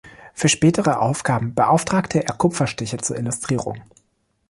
Für spätere Ausgaben beauftragte er Kupferstiche zur Illustrierung.